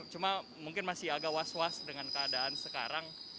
cuma mungkin masih agak was was dengan keadaan sekarang